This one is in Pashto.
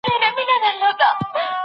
مفسرینو د خلیفه په مانا بحثونه کړي دي.